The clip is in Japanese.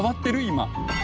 今。